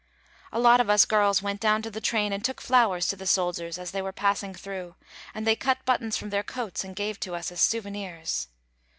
A lot of us girls went down to the train and took flowers to the soldiers as they were passing through and they cut buttons from their coats and gave to us as souvenirs.